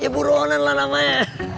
ya buronan lah namanya